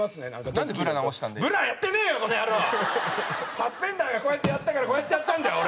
サスペンダーがこうやってやったからこうやってやったんだよ俺。